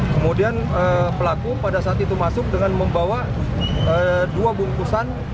kemudian pelaku pada saat itu masuk dengan membawa dua bungkusan